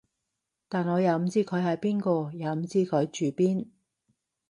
但我又唔知佢係邊個，又唔知佢住邊